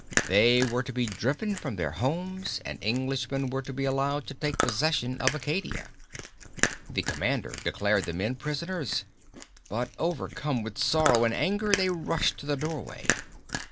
They were to be driven from their homes and Englishmen were to be allowed to take possession of Acadia. The commander declared the men prisoners, but overcome with sorrow and anger, they rushed to the door way.